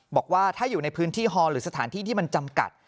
บอกว่าถ้าอยู่ในพื้นที่ฮอลหรือสถานที่ที่มันจำกัด